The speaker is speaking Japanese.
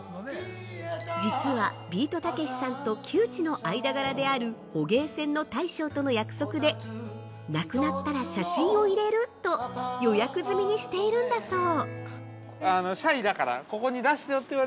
実はビートたけしさんと旧知の間柄である捕鯨船の大将との約束で「亡くなったら写真を入れる」と予約済みにしているんだそう。